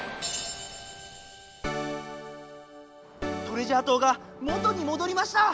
トレジャー島が元にもどりました！